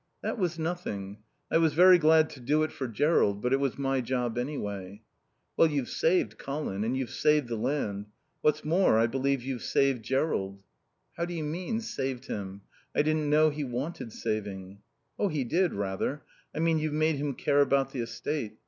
"That was nothing. I was very glad to do it for Jerrold, but it was my job, anyway." "Well, you've saved Colin. And you've saved the land. What's more, I believe you've saved Jerrold." "How do you mean, 'saved' him? I didn't know he wanted saving." "He did, rather. I mean you've made him care about the estate.